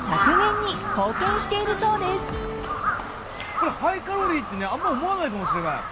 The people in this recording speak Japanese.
これハイカロリーってねあんま思わないかもしれない。